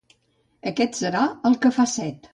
—Aquest serà el que fa set.